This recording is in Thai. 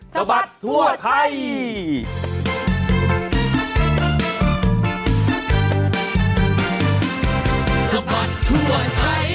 สะบัดทั่วไทย